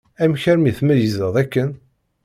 Amek armi tmeyyzeḍ akken?